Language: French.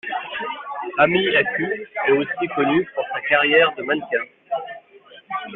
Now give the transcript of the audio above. Amy Acuff est aussi connue pour sa carrière de mannequin.